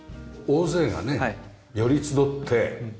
大勢がね寄り集って。